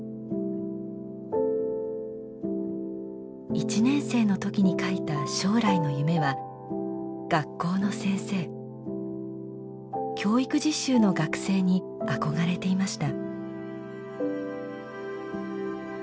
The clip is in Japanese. １年生の時に書いた将来の夢は教育実習の学生に憧れていました。